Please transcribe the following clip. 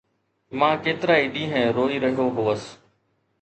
مان ڪيترائي ڏينهن روئي رهيو هوس